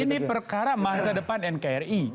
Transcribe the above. ini perkara masa depan nkri